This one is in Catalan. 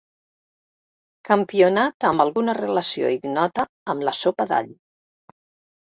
Campionat amb alguna relació ignota amb la sopa d'all.